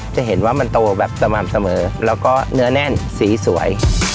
จะเห็นว่ามันโตแบบสม่ำเสมอแล้วก็เนื้อแน่นสีสวย